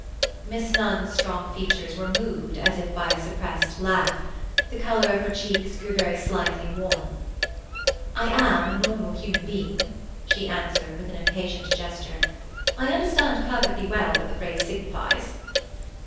Miss Nunn's strong features were moved as if by a suppressed laugh; the colour of her cheeks grew very slightly warm. "I am a normal human being," she answered, with an impatient gesture. "I understand perfectly well what the phrase signifies."